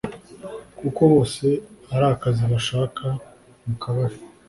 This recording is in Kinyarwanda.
kuko bose ari akazi bashaka mukabahe